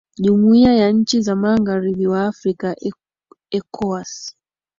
jumuiya ya nchi za magharibi wa afrika ecowas